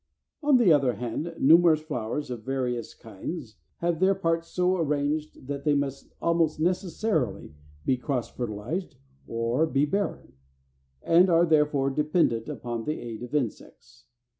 On the other hand, numerous flowers, of very various kinds, have their parts so arranged that they must almost necessarily be cross fertilized or be barren, and are therefore dependent upon the aid of insects.